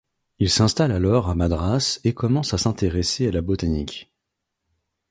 Il s’installe alors à Madras et commence à s’intéresser à la botanique.